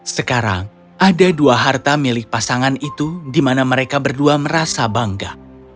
sekarang ada dua harta milik pasangan itu di mana mereka berdua merasa bangga